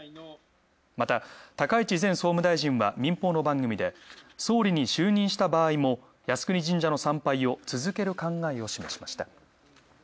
また、高市前総務大臣は民放の番組で総理に就任した場合も靖国神社の参拝を続ける考えを示しました。